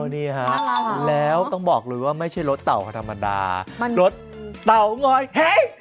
อ๋อนี่ค่ะแล้วต้องบอกเลยว่าไม่ใช่รถเต่าค่ะธรรมดารถเต่าง้อยเฮ้ยเต่าง้อยเฮ้ย